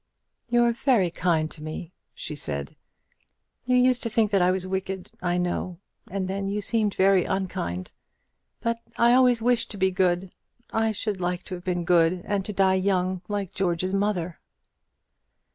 "You're very kind to me," she said; "you used to think that I was wicked, I know; and then you seemed very unkind. But I always wished to be good. I should like to have been good, and to die young, like George's mother."